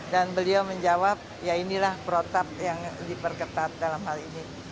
dan beliau menjawab ya inilah perotap yang diperketat dalam hal ini